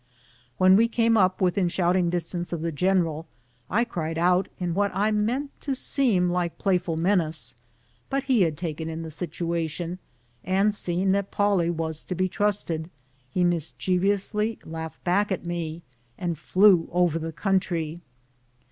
When we came up within shouting distance of the general, I cried out, in what I meant to seem like playful menace ; but he had taken in the situation, and seeing that Polly was to be trusted, he mischievously laughed back at me and flew over the country.